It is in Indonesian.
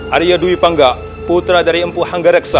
arya dwi pangga putra dari empu hanggareksa